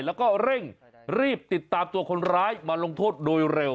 แล้วก็เร่งรีบติดตามตัวคนร้ายมาลงโทษโดยเร็ว